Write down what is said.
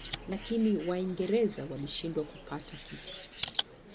Lakini Waingereza walishindwa kupata kiti.